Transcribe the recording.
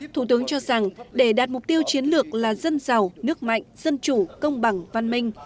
thủ tướng cho rằng để đạt mục tiêu chiến lược là dân giàu nước mạnh dân chủ công bằng văn minh